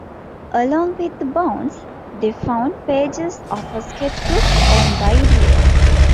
Along with the bones, they found pages of a sketchbook owned by Idilia.